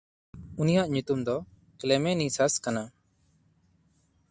ᱩᱱᱤᱭᱟᱜ ᱧᱩᱛᱩᱢ ᱫᱚ ᱠᱞᱮᱢᱮᱱᱤᱥᱟᱥ ᱠᱟᱱᱟ᱾